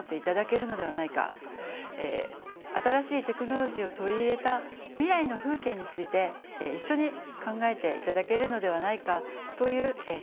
新しいテクノロジーを取り入れた未来の風景について一緒に考えて頂けるのではないかという期待もしています。